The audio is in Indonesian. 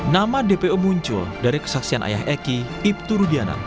nama dpo muncul dari kesaksian ayah eki ibtu rudiana